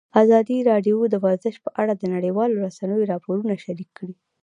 ازادي راډیو د ورزش په اړه د نړیوالو رسنیو راپورونه شریک کړي.